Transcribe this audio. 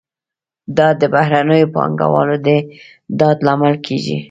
دا د بهرنیو پانګوالو د ډاډ لامل کیږي.